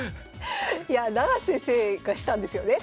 いや永瀬先生がしたんですよね？